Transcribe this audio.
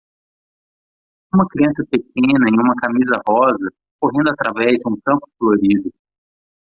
uma criança pequena em uma camisa rosa correndo através de um campo florido.